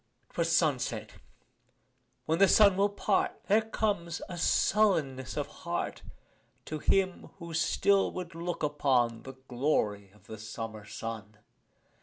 'Twas sunset: when the sun will part There comes a sullenness of heart To him who still would look upon The glory of the summer sun.